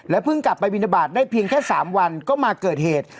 เพิ่งกลับไปบินทบาทได้เพียงแค่๓วันก็มาเกิดเหตุ